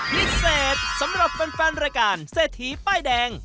พิเศษสำหรับแฟนรายการเศรษฐีป้ายแดง